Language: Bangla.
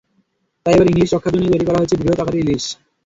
তাই এবার ইলিশ রক্ষার জন্য তৈরি করা হয়েছে বৃহৎ আকারের ইলিশ।